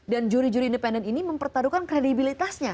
dan juri juri independen ini mempertaruhkan kredibilitasnya